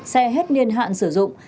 xe hết niên hạn sử dụng